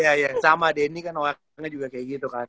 iya ya sama denny kan warnanya juga kayak gitu kan